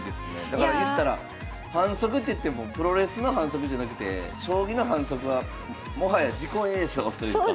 だから言ったら反則っていってもプロレスの反則じゃなくて将棋の反則はもはや事故映像というか。